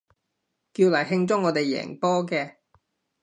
叫嚟慶祝我哋贏波嘅